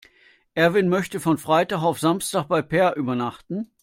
Erwin möchte von Freitag auf Samstag bei Peer übernachten.